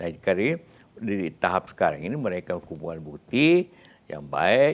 jadi dari tahap sekarang ini mereka kumpulkan bukti yang baik